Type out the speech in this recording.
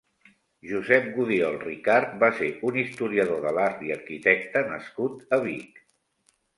Josep Gudiol Ricart va ser un historiador de l'art i arquitecte nascut a Vic.